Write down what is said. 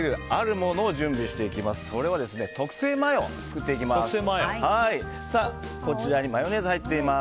その特製マヨを作っていきます。